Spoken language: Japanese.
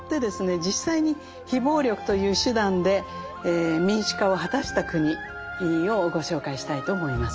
実際に非暴力という手段で民主化を果たした国をご紹介したいと思います。